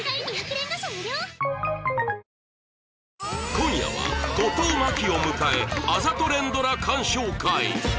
今夜は後藤真希を迎えあざと連ドラ鑑賞会！